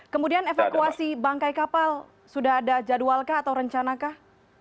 kemudian evakuasi bangkai kapal sudah ada jadwalkah atau rencanakah